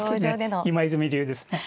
今泉流ですね。